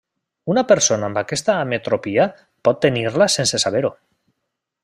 Una persona amb aquesta ametropia pot tenir-la sense saber-ho.